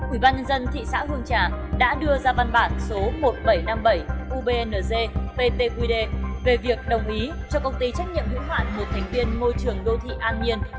ủy ban nhân dân thị xã hương trà đã đưa ra văn bản số một nghìn bảy trăm năm mươi bảy ubnz ptqd về việc đồng ý cho công ty trách nhiệm hữu hạn một thành viên môi trường đô thị an nhiên